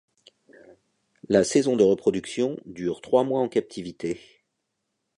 La saison de reproduction dure trois mois en captivité.